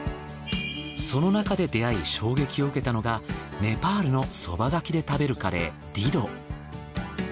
その中で出会い衝撃を受けたのがネパールの蕎麦がきで食べるカレーディド。